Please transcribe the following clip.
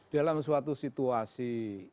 dalam suatu situasi